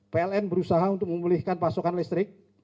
pln berusaha untuk memulihkan pasokan listrik